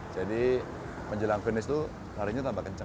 jadi menjelang finish itu larinya tambah kencang